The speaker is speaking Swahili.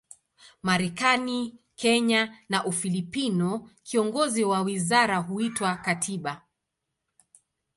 Marekani, Kenya na Ufilipino, kiongozi wa wizara huitwa katibu.